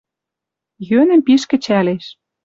Йӧнӹм пиш кӹчӓлеш